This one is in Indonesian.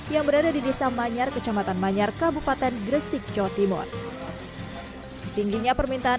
yang berada di desa manyar kecamatan manyar kabupaten gresik jawa timur tingginya permintaan